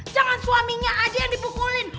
jangan suaminya aja yang dipukulin